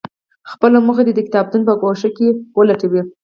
خپله موخه دې د کتابتون په ګوښه کې ولټوي.